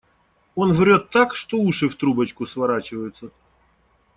Он врёт так, что уши в трубочку сворачиваются.